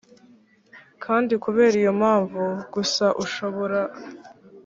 kandi kubera iyo mpamvu gusa ushobora